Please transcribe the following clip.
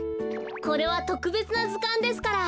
これはとくべつなずかんですから。